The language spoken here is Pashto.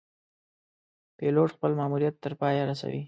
پیلوټ خپل ماموریت تر پایه رسوي.